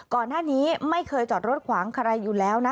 ก่อนหน้านี้ไม่เคยจอดรถขวางใครอยู่แล้วนะ